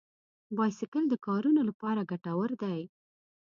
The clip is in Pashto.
بایسکل د کارونو لپاره ګټور دی.